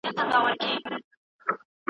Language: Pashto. بې وسي توره وي که سپينه